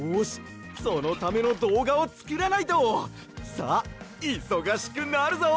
さあいそがしくなるぞ！